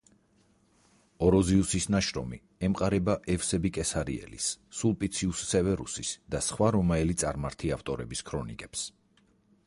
ოროზიუსის ნაშრომი ემყარება ევსები კესარიელის, სულპიციუს სევერუსის და სხვა რომაელი წარმართი ავტორების ქრონიკებს.